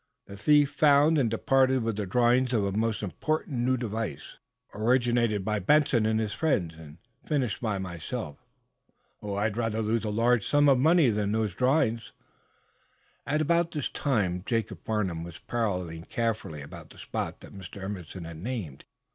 "The thief found and departed with the drawings of a most important new device, originated by Benson and his friends and finished by myself. I'd rather lose a large sum of money than those drawings." At about this time Jacob Farnum was prowling carefully about the spot that Mr. Emerson had named.